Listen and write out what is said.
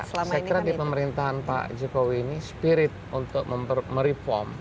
saya kira di pemerintahan pak jokowi ini spirit untuk mereform